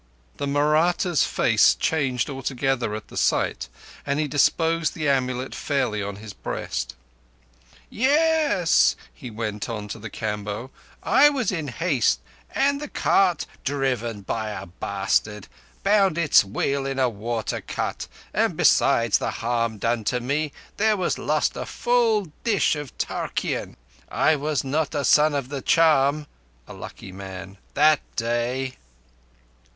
The Mahratta's face changed altogether at the sight, and he disposed the amulet fairly on his breast. "Yes," he went on to the Kamboh, "I was in haste, and the cart, driven by a bastard, bound its wheel in a water cut, and besides the harm done to me there was lost a full dish of tarkeean. I was not a Son of the Charm [a lucky man] that day."